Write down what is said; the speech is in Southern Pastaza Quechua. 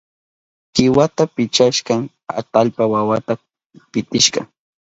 Kiwata pichashpan atallpa wawata pitishka.